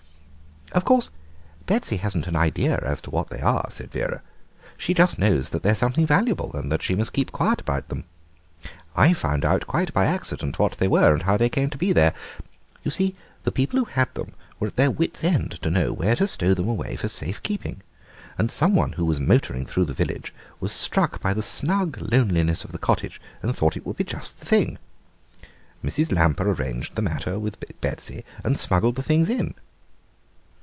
"Of course Betsy hasn't an idea as to what they are," said Vera; "she just knows that they are something valuable and that she must keep quiet about them. I found out quite by accident what they were and how they came to be there. You see, the people who had them were at their wits' end to know where to stow them away for safe keeping, and some one who was motoring through the village was struck by the snug loneliness of the cottage and thought it would be just the thing. Mrs. Lamper arranged the matter with Betsy and smuggled the things in."